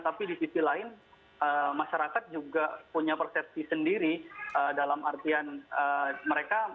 tapi di sisi lain masyarakat juga punya persepsi sendiri dalam artian mereka